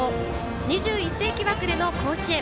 ２１世紀枠での甲子園。